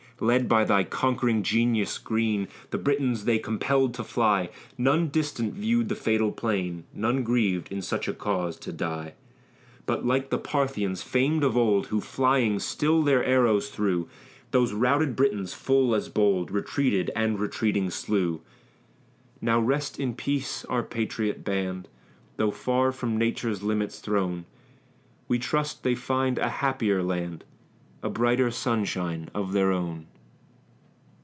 Led by thy conquering genius, Greene, The Britons they compelled to fly; None distant viewed the fatal plain, None grieved, in such a cause, to die But, like the Parthians famed of old, Who, flying, still their arrows threw, These routed Britons, full as bold, Retreated, and retreating slew. Now rest in peace, our patriot band; Though far from Nature's limits thrown, We trust they find a happier land, A brighter sunshine of their own.